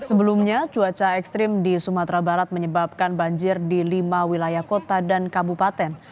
sebelumnya cuaca ekstrim di sumatera barat menyebabkan banjir di lima wilayah kota dan kabupaten